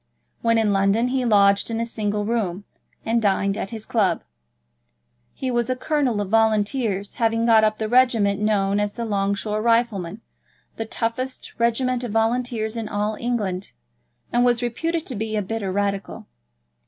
When in London he lodged in a single room, and dined at his club. He was a Colonel of Volunteers, having got up the regiment known as the Long Shore Riflemen, the roughest regiment of Volunteers in all England, and was reputed to be a bitter Radical.